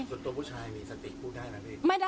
ส่วนตัวผู้ชายมีสติกพูดได้หรือไม่ได้